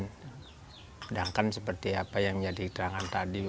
sedangkan seperti apa yang jadi terangkan tadi